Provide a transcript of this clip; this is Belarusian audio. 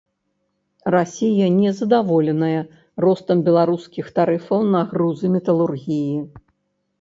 Расія незадаволеная ростам беларускіх тарыфаў на грузы металургіі.